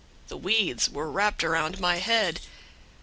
The weeds were wrapped around my head.